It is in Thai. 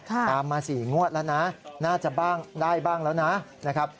ตามมา๔งวดแล้วนะน่าจะบ้างได้บ้างแล้วนะครับ